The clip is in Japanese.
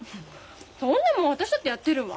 そんなもん私だってやってるわ。